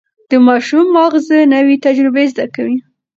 د ماشوم ماغزه نوي تجربې زده کوي.